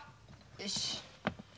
よし。